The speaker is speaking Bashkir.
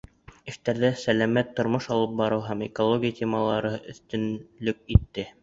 Эштәрҙә сәләмәт тормош алып барыу һәм экология темалары өҫтөнлөк итте.